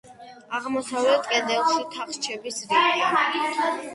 აღმოსავლეთ კედელში თახჩების რიგია.